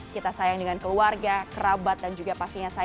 kita sayang dengan keluarga kerabat dan juga pastinya saya